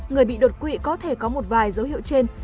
người bị đột quỵ có thể có một vài dấu hiệu trên